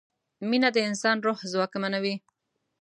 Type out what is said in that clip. مینه د انسان روح ځواکمنوي.